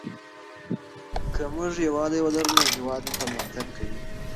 که موږ یووالي ولرو نو هېواد مو پرمختګ کوي.